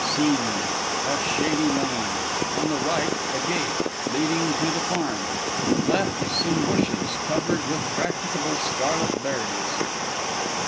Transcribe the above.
_ SCENE _A shady lane; on the right, a gate, leading to the farm; left, some bashes, covered with practicable scarlet berries.